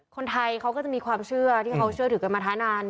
คนไทยเขาก็จะมีความเชื่อที่เขาเชื่อถือกันมาท้านาน